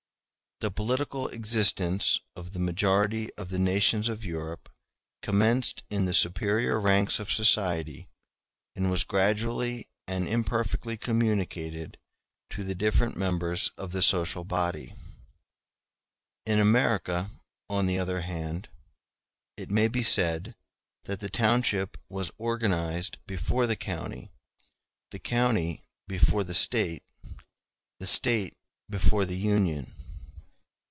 The political existence of the majority of the nations of Europe commenced in the superior ranks of society, and was gradually and imperfectly communicated to the different members of the social body. In America, on the other hand, it may be said that the township was organized before the county, the county before the State, the State before the Union.